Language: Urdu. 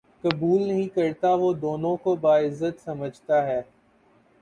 قبول نہیں کرتا وہ دونوں کو باعزت سمجھتا ہے